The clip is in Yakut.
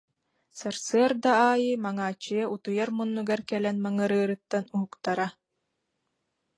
Сарсыарда аайы Маҥааччыйа утуйар муннугар кэлэн маҥырыырыттан уһуктара